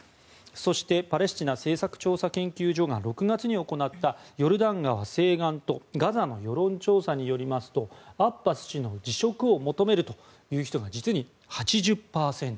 そしてパレスチナ政策調査研究所が６月に行ったヨルダン川西岸とガザの世論調査によりますとアッバス氏の辞職を求める人が実に８０％。